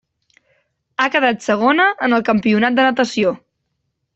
Ha quedat segona en el campionat de natació.